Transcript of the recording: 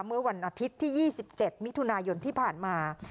เมื่อวันอาทิตย์ที่๒๗มิถุนายนที่ผ่านมา